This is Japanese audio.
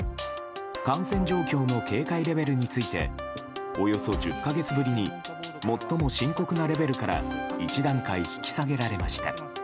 感染状況の警戒レベルについておよそ１０か月ぶりに最も深刻なレベルから１段階引き下げられました。